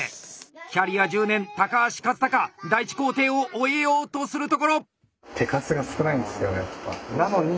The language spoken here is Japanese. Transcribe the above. キャリア１０年橋一剛第１工程を終えようとするところ！